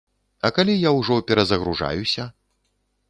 А калі я ўжо перазагружаюся?